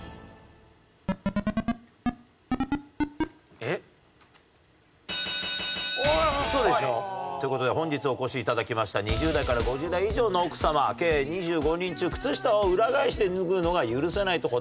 えっ？という事で本日お越し頂きました２０代から５０代以上の奥さま計２５人中靴下を裏返して脱ぐのが許せないと答えたのが１２名と。